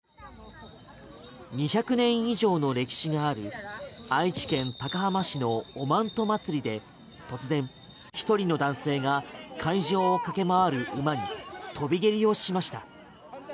２００年以上の歴史がある愛知県高浜市のおまんと祭りで突然１人の男性が会場を駆け回る馬に飛び蹴りをしました。